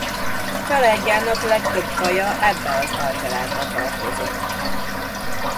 Családjának legtöbb faja ebbe az alcsaládba tartozik.